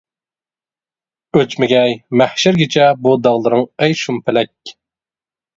ئۆچمىگەي مەھشەرگىچە بۇ داغلىرىڭ ئەي شۇم پەلەك.